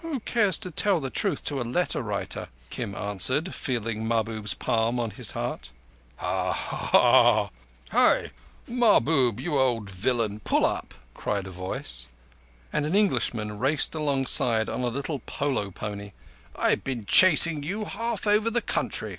"Who cares to tell truth to a letter writer?" Kim answered, feeling Mahbub's palm on his heart. "Hi! Mahbub, you old villain, pull up!" cried a voice, and an Englishman raced alongside on a little polo pony. "I've been chasing you half over the country.